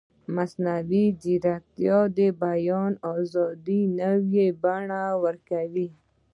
مصنوعي ځیرکتیا د بیان ازادي نوې بڼه ورکوي.